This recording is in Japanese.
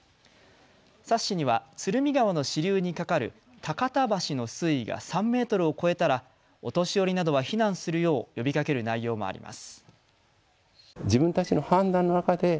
冊子には鶴見川の支流に架かる高田橋の水位が３メートルを超えたらお年寄りなどは避難するよう呼びかける内容もあります。